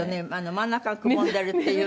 真ん中がくぼんでるっていうのが。